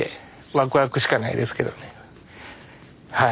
ワクワクしかないですけどねはい。